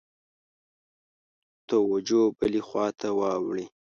توجه بلي خواته واوړي.